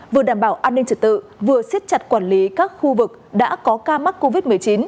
vừa đảm bảo an ninh trật tự vừa siết chặt quản lý các khu vực đã có ca mắc covid một mươi chín